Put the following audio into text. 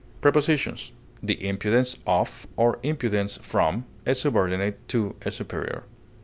Prepositions: The impudence of, or impudence from, a subordinate to a superior.